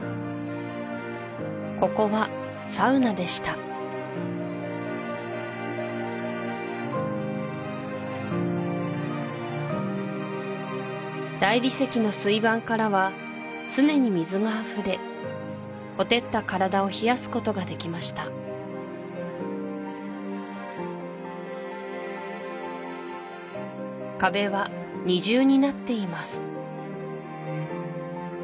ここはサウナでした大理石の水盤からは常に水があふれほてった体を冷やすことができました壁は二重になっています